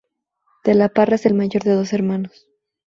De la Parra es el mayor de dos hermanos.